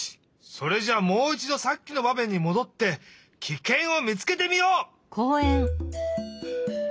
それじゃもういちどさっきのばめんにもどってキケンを見つけてみよう！